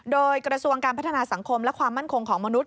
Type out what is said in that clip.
โดยกระทรวงการพัฒนาสังคมและความมั่นคงของมนุษย